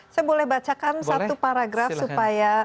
saya boleh bacakan satu paragraf supaya